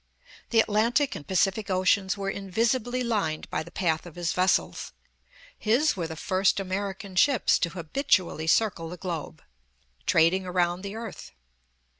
The Atlantic and Pacific Oceans were invisibly lined by the path of his vessels. His were the first American ships to habitually circle the globe, trading around the earth.